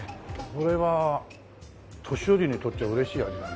これは年寄りにとっちゃ嬉しい味だね。